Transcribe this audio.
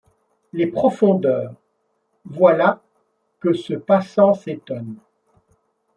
les profondeurs, voilà que ce passant s’étonne !.